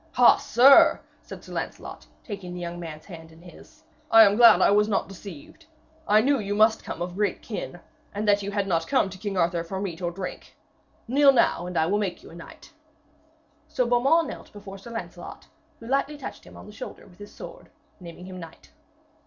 'Ah, sir,' said Sir Lancelot, taking the young man's hand in his, 'I am glad I was not deceived. I knew you must come of great kin, and that you had not come to King Arthur for meat or drink. Kneel now, and I will make you knight.' So Beaumains knelt before Sir Lancelot, who lightly touched him on the shoulder with his sword, naming him knight.